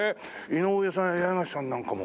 井上さんや八重樫さんなんかも。